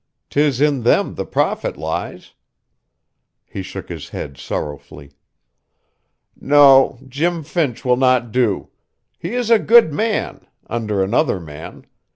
'Tis in them the profit lies." He shook his head sorrowfully. "No, Jim Finch will not do. He is a good man under another man.